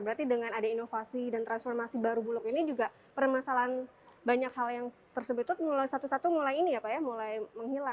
berarti dengan ada inovasi dan transformasi baru bulog ini juga permasalahan banyak hal yang tersebut itu mulai satu satu mulai ini ya pak ya mulai menghilang